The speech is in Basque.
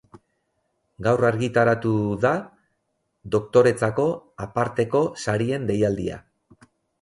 Gaur argitaratu da Doktoretzako Aparteko Sarien deialdia.